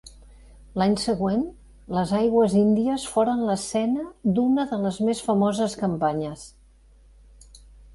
L'any següent, les aigües índies foren l'escena d'una de les més famoses campanyes.